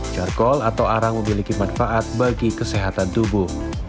jargol atau arang memiliki manfaat bagi kesehatan tubuh